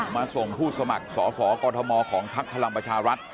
มาส่งผู้สมัครสสกมของภักดิ์พลังประชารัฐ